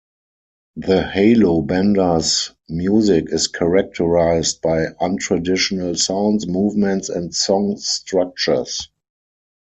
The Halo Benders' music is characterised by untraditional sounds, movements, and song structures.